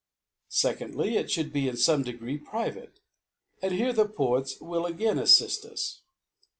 "• Secondly^ It fhould be in fome degree private. And here the Poets will again a^fl: us.